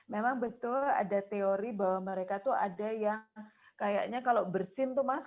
memang betul ada teori bahwa mereka tuh ada yang kayaknya kalau bersin tuh mas